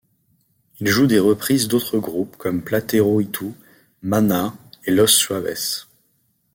Ils jouent des reprises d'autres groupes comme Platero y Tú, Maná et Los Suaves.